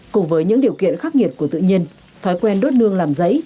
cùng với những điều kiện khắc nghiệt của tự nhiên thói quen đốt nương làm giấy